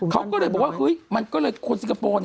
เขาก็เลยบอกว่าเฮ้ยมันก็เลยคนสิงคโปร์